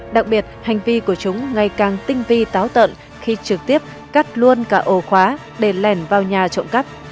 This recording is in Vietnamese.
đặc biệt hành vi của chúng ngày càng tinh vi táo tợn khi trực tiếp cắt luôn cả ồ khóa để lèn vào nhà trộm cắp